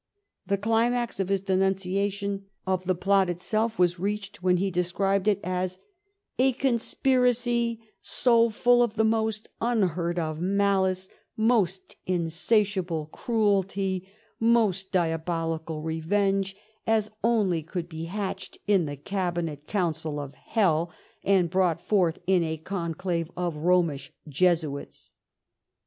The climax of his denunciation of the plot itself was reached when he described it as "a conspiracy, so full of the most unheard of malice, most insatiable cruelty, most dia bolical revenge, as only could be hatched in the cabinet council of hell, and brought forth in a conclave of Romish Jesuits."